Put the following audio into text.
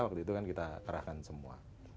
waktu itu kan kita kerahkan semua